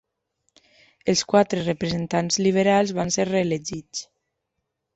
Els quatre representants liberals van ser reelegits.